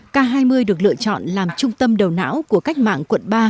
k hai mươi được lựa chọn làm trung tâm đầu não của cách mạng quận ba